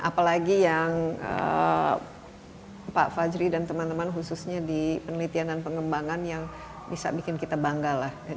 apalagi yang pak fajri dan teman teman khususnya di penelitian dan pengembangan yang bisa bikin kita bangga lah